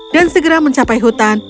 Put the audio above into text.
dan segera mencapai hutan